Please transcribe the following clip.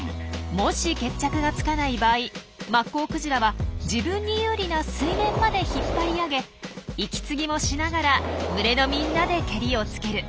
もし決着がつかない場合マッコウクジラは自分に有利な水面まで引っ張り上げ息継ぎもしながら群れのみんなでケリをつける。